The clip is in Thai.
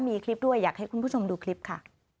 มีคลิปด้วยอยากให้คุณผู้ชมดูคลิปค่ะ